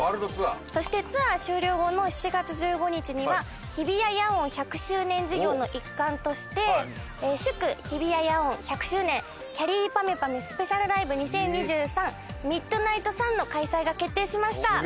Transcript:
そしてツアー終了後の７月１５日には日比谷野音１００周年事業の一環として「祝・日比谷野音１００周年きゃりーぱみゅぱみゅＳｐｅｃｉａｌＬｉｖｅ２０２３−ＭｉｄｎｉｇｈｔＳｕｎ−」の開催が決定しました。